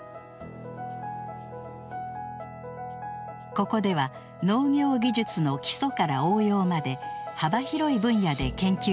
ここでは農業技術の基礎から応用まで幅広い分野で研究を行っています。